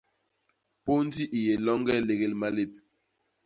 Pôndi i yé loñge légél malép.